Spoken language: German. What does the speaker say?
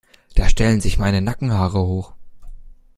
Da stellen sich meine Nackenhaare hoch.